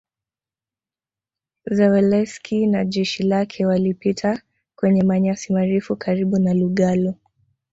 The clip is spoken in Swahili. Zelewski na jeshi lake walipita kwenye manyasi marefu karibu na Lugalo